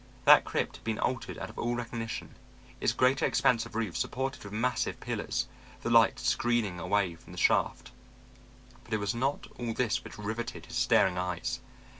That crypt had been altered out of all recognition, its greater expanse of roof supported with massive pillars, the light screened away from the shaft. But it was not all this which riveted his staring eyes.